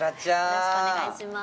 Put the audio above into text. よろしくお願いします